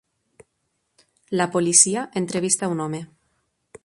La policia entrevista un home.